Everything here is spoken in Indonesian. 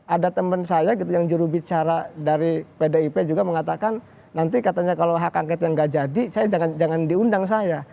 ada teman saya gitu yang juru bicara dari pdip juga mengatakan nanti katanya kalau hak angkat yang gak jadi jangan diundang saya